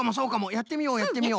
やってみようやってみよう。